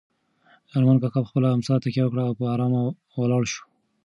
ارمان کاکا په خپله امسا تکیه وکړه او په ارامه ولاړ شو.